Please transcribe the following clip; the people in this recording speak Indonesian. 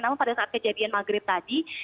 namun pada saat kejadian maghrib tadi